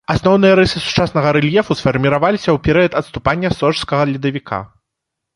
Асноўныя рысы сучаснага рэльефу сфарміраваліся ў перыяд адступання сожскага ледавіка.